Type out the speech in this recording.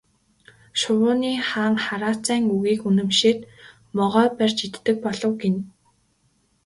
Шувууны хаан хараацайн үгийг үнэмшээд могой барьж иддэг болов гэнэ.